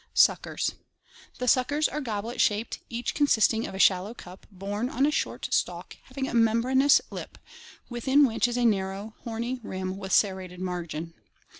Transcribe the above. Suckers. — The suckers are goblet shaped, each consisting of a shallow cup borne on a short stalk, having a membranous lip, within which is a narrow horny rim with a serrated margin.